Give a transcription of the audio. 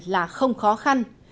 và không khó khăn